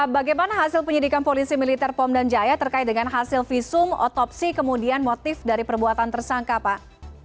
bagaimana hasil penyidikan polisi militer pom dan jaya terkait dengan hasil visum otopsi kemudian motif dari perbuatan tersangka pak